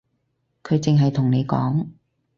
佢淨係同你講